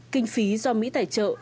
kinh phí do mỹ tài trợ